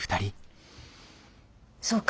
そうか。